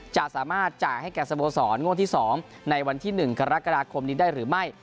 จะสามารถจ่ายให้แก่สโมสรงวดที่๒ในวันที่๑กรกฎาคมนี้ได้หรือไม่